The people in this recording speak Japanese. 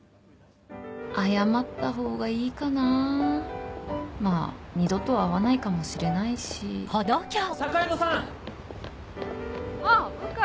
謝った方がいいかなまぁ二度と会わないかもしれないし坂井戸さん！